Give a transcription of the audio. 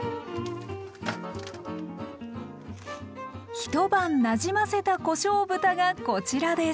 一晩なじませたこしょう豚がこちらです。